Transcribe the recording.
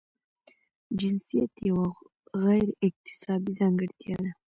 جنسیت یوه غیر اکتسابي ځانګړتیا ده.